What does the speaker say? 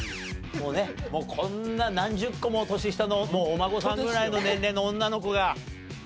もうねこんな何十個も年下のお孫さんぐらいの年齢の女の子が。